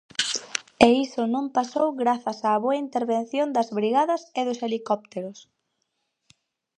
E iso non pasou grazas á boa intervención das brigadas e dos helicópteros.